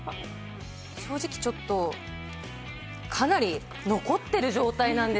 正直ちょっとかなり残ってる状態なんですよ。